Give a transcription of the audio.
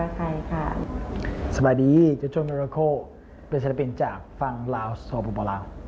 ค่ะสวัสดีค่ะคุณโจโจมิราโค่เป็นศิลปินจากฟังลาวสอบป่อปอลาว